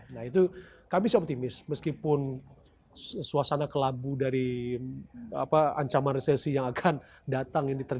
nah itu kami optimis meskipun suasana kelabu dari ancaman resesi yang akan datang